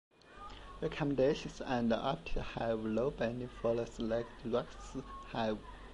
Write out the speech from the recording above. Recommendations and opinions have no binding force, like directives have.